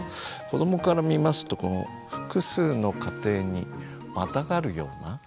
子どもから見ますと複数の家庭にまたがるような。